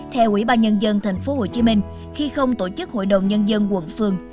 theo ủy ban nhân dân tp hcm khi không tổ chức hội đồng nhân dân quận phường